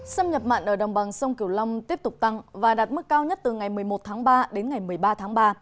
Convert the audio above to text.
xâm nhập mặn ở đồng bằng sông kiều long tiếp tục tăng và đạt mức cao nhất từ ngày một mươi một tháng ba đến ngày một mươi ba tháng ba